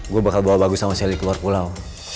gua bakal bawa bagus sama shelly keluar pulau